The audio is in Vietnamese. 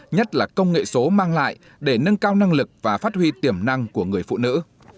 nhất là công nghệ số mang lại để nâng cao năng lực và phát huy tiềm năng của người phụ nữ